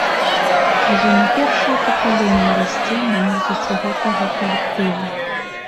Ужо не першае пакаленне расце на музыцы гэтага калектыва.